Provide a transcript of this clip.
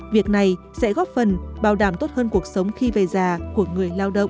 việc này sẽ góp phần bảo đảm tốt hơn cuộc sống khi về già của người lao động